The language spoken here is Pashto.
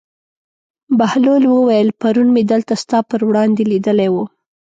بهلول وویل: پرون مې دلته ستا پر وړاندې لیدلی و.